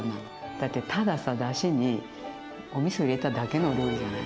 だってたださだしにおみそ入れただけのお料理じゃない？